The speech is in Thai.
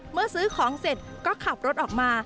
เมื่อซื้อของเสร็จก็ขับรถออกมา